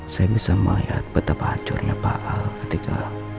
saya bisa melihat betapa hancurnya pak al ketika